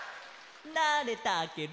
なれたケロ！